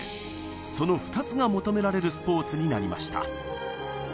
その２つが求められるスポーツになりました。